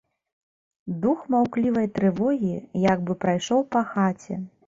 Дух маўклівай трывогі як бы прайшоў па хаце.